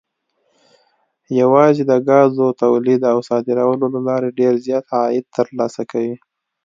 یوازې د ګازو تولید او صادرولو له لارې ډېر زیات عاید ترلاسه کوي.